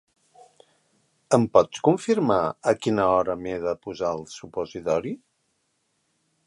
Em pots confirmar a quina hora m'he de posar el supositori?